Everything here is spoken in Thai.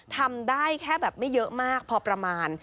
ทำได้แค่แบบไม่เยอะมากพอประมาณ